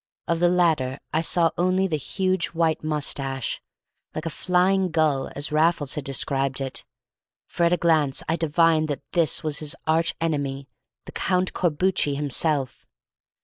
Of the latter I saw only the huge white moustache, like a flying gull, as Raffles had described it; for at a glance I divined that this was his arch enemy, the Count Corbucci himself.